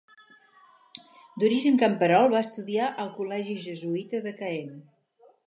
D'origen camperol, va estudiar al col·legi jesuïta de Caen.